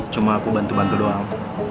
cuma aku bantu bantu doang